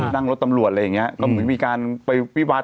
นั่งรถตำรวจอะไรอย่างเงี้ยก็เหมือนมีการไปวิวัล